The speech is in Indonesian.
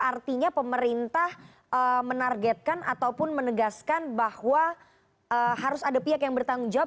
artinya pemerintah menargetkan ataupun menegaskan bahwa harus ada pihak yang bertanggung jawab